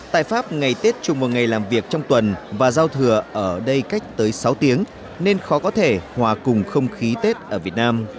tại pháp ngày tết chung vào ngày làm việc trong tuần và giao thừa ở đây cách tới sáu tiếng nên khó có thể hòa cùng không khí tết ở việt nam